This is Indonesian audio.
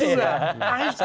yang begitu juga